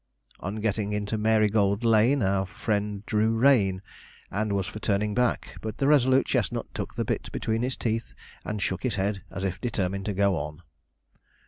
On getting into Marygold Lane, our friend drew rein, and was for turning back, but the resolute chestnut took the bit between his teeth and shook his head, as if determined to go on.